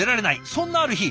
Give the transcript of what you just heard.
そんなある日。